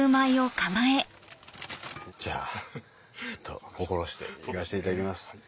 じゃあ心していかせていただきます。